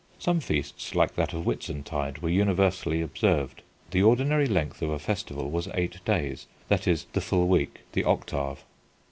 Some feasts, like that of Whitsuntide, were universally observed. The ordinary length of a festival was eight days, that is, the full week the octave.